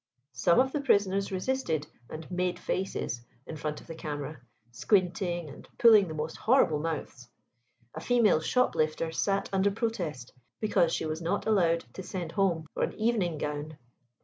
Some of the prisoners resisted and "made faces" in front of the camera, squinting and pulling the most horrible mouths. A female shoplifter sat under protest, because she was not allowed to send home for an evening gown.